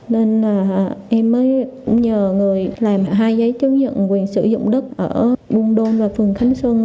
nên em mới nhờ người làm hai giấy chứng nhận quyền sử dụng đất ở buôn đôn và phường khánh xuân